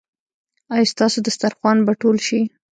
ایا ستاسو دسترخوان به ټول شي؟